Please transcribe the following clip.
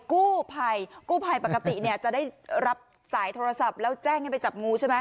กู้ภัยกู้ภัยปกติเนี่ยจะได้รับสายโทรศัพท์แล้วแจ้งให้ไปจับงูใช่ไหม